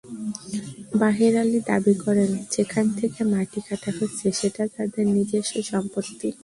বাহের আলী দাবি করেন, যেখান থেকে মাটি কাটা হচ্ছে সেটা তাদের নিজস্ব সম্পত্তি।